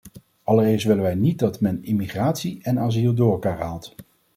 Allereerst willen wij niet dat men immigratie en asiel door elkaar haalt.